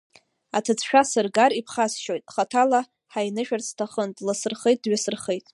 Аҭыӡшәа сыргар иԥхасшьоит, хаҭала ҳаинышәарц сҭахын, дласырхеит, дҩасырхеит!